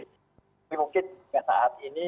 tapi mungkin saat ini